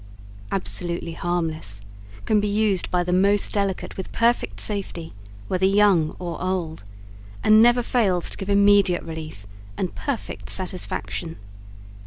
Absolutely harmless; can be used by the most delicate with perfect safety, whether young or old, and never falls to give immediate relief and perfect satisfaction.